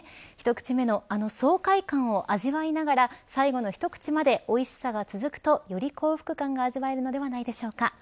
一口目のあの爽快感を味わいながら最後の一口までおいしさが続くとより幸福感が味わえるのではないでしょうか。